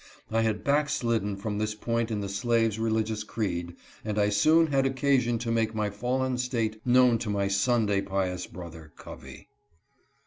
I had backslidden from this point in the slaves' religious creed, and I soon had occasion to make my fallen state known to my Sun day pious brother, Covey.